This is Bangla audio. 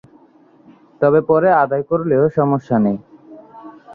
তবে পরে আদায় করলেও সমস্যা নেই।